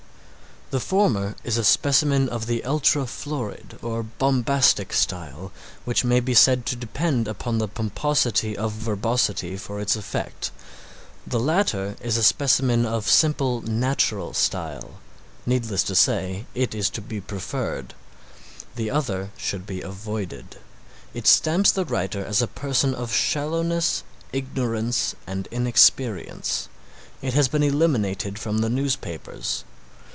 The former is a specimen of the ultra florid or bombastic style which may be said to depend upon the pomposity of verbosity for its effect, the latter is a specimen of simple natural Style. Needless to say it is to be preferred. The other should be avoided. It stamps the writer as a person of shallowness, ignorance and inexperience. It has been eliminated from the newspapers.